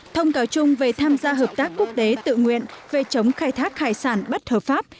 thông cáo chung về tham gia hợp tác quốc tế tự nguyện về chống khai thác hải sản bất hợp pháp